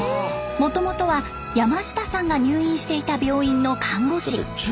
もともとは山下さんが入院していた病院の看護師。